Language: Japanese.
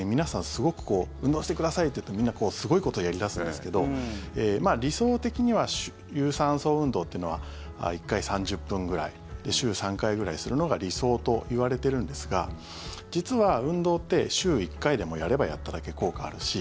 すごく運動してくださいって言うとみんな、すごいことをやり出すんですけど理想的には有酸素運動というのは１回３０分ぐらいで週３回ぐらいするのが理想といわれているんですが実は運動って、週１回でもやればやっただけ効果あるし。